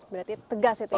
berarti tegas itu ya pak